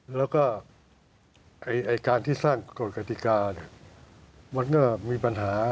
แล้วก็การที่สร้างกฎกติกามันก็มีปัญหา